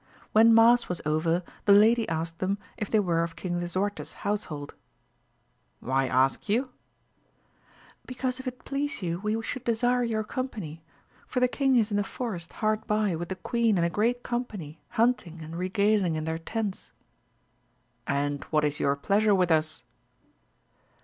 When mass was over, the lady asked them if they were of King Lisuarte's household. — Why ask you ?— Because if it please you we should desire your company, for the king is in the forest hard by with the queen and a great company hunting and regaling in their tents. — ^And what is your pleasure with us